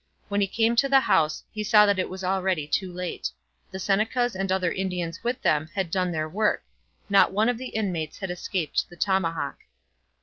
When he came to the house, he saw that it was already too late. The Senecas and other Indians with them had done their work. Not one of the inmates had escaped the tomahawk.